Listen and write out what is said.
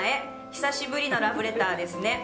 久しぶりのラブレターですね。